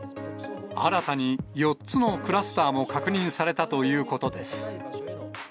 新たに４つのクラスターも確認されたということです。